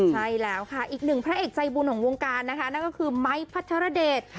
ใช่แล้วค่ะอีกหนึ่งพระเอกใจบุญของวงการนะคะนั่นก็คือไม้พัทรเดช